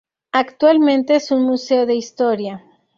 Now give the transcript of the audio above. Actualmente es un museo de historia.